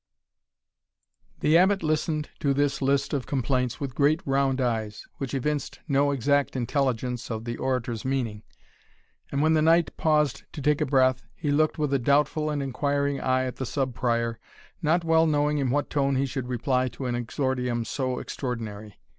The Abbot listened to this list of complaints with great round eyes, which evinced no exact intelligence of the orator's meaning; and when the knight paused to take breath, he looked with a doubtful and inquiring eye at the Sub Prior, not well knowing in what tone he should reply to an exordium so extraordinary.